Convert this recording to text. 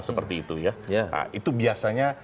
seperti itu ya itu biasanya